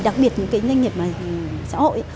đặc biệt những cái doanh nghiệp xã hội ấy